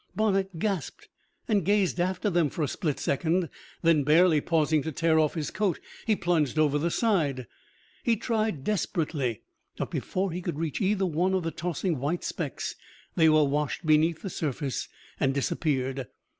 Bonnett gasped and gazed after them for a split second; then, barely pausing to tear off his coat, he plunged over the side. He tried desperately, but before he could reach either one of the tossing white specks, they were washed beneath the surface and disappeared.